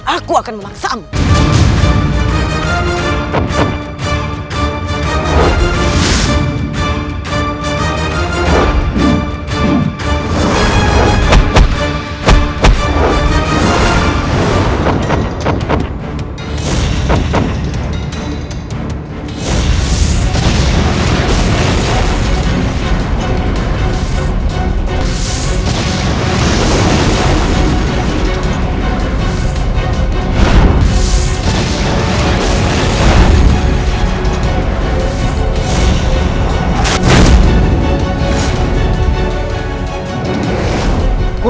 aku akan memaksamu